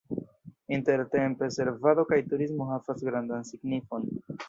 Intertempe servado kaj turismo havas grandan signifon.